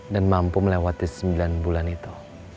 dan mampu melewati sembilan bulan itu